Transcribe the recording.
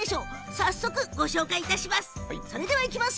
早速ご紹介いたします。